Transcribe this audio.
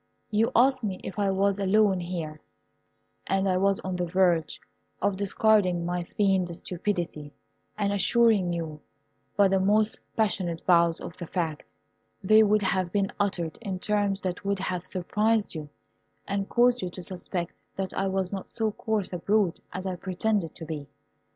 You asked me if I was alone here, and I was on the verge of discarding my feigned stupidity, and assuring you by the most passionate vows of the fact. They would have been uttered in terms that would have surprised you, and caused you to suspect that I was not so coarse a brute as I pretended to be.